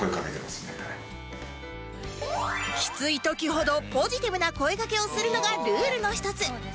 きつい時ほどポジティブな声かけをするのがルールの１つ